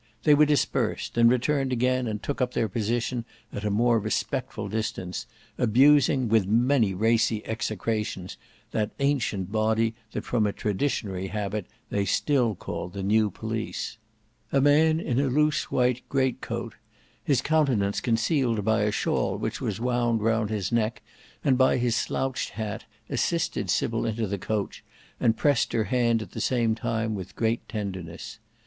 They were dispersed, and returned again and took up their position at a more respectful distance, abusing with many racy execrations that ancient body that from a traditionary habit they still called the New Police. A man in a loose white great coat, his countenance concealed by a shawl which was wound round his neck and by his slouched hat, assisted Sybil into the coach, and pressed her hand at the same time with great tenderness.